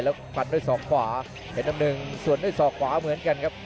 แล้วฟันด้วยศอกขวาเพชรน้ำหนึ่งส่วนด้วยศอกขวาเหมือนกันครับ